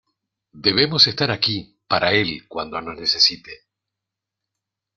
Debemos estar aquí para él cuando nos necesite.